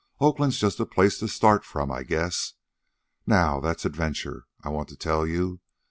Oakland's just a place to start from, I guess. Now that's adventure, I want to tell you.